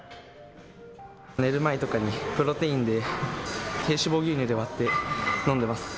寝る前にプロテインを低脂肪牛乳で割って飲んでます。